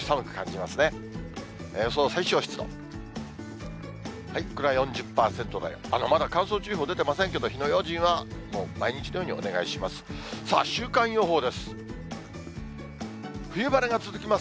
まだ乾燥注意報出てませんけど、火の用心は、もう毎日のようにお願いします。